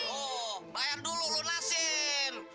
tuh bayar dulu lu nasin